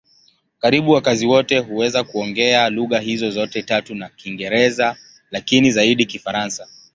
Karibu wakazi wote huweza kuongea lugha hizo zote tatu na Kiingereza, lakini zaidi Kifaransa.